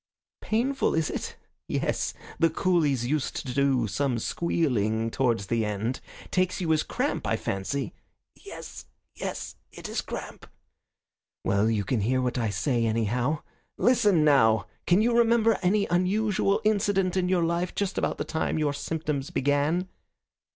"Painful, is it? Yes, the coolies used to do some squealing towards the end. Takes you as cramp, I fancy." "Yes, yes; it is cramp." "Well, you can hear what I say, anyhow. Listen now! Can you remember any unusual incident in your life just about the time your symptoms began?"